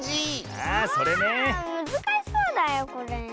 あむずかしそうだよこれ。